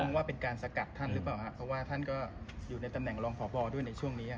ว่าเป็นการสกัดท่านหรือเปล่าครับเพราะว่าท่านก็อยู่ในตำแหน่งรองพบด้วยในช่วงนี้